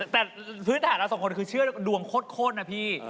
แต่พื้นฐานเราสองคนคือเชื่อดวงโค้นนะพี่